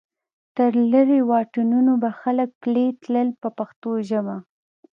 تر لرې واټنونو به خلک پلی تلل په پښتو ژبه.